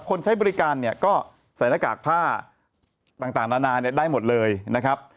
ใช้บริการเนี่ยก็ใส่หน้ากากผ้าต่างนานาเนี่ยได้หมดเลยนะครับ